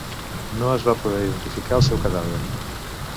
No es va poder identificar el seu cadàver.